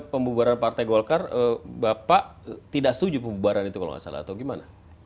pembubaran partai golkar bapak tidak setuju pembubaran itu kalau nggak salah atau gimana